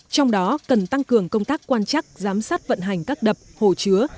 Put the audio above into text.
trong đó cần tăng cường công tác quan chắc giám sát vận hành các đập hồ chứa